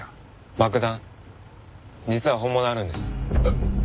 爆弾実は本物あるんです。